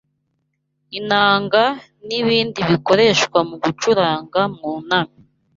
inanga n’ibindi bikoreshwa mu gucuranga mwuname